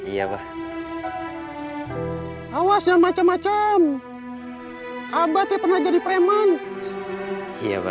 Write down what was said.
iya bah awas dan macem macem abadnya pernah jadi preman iya bah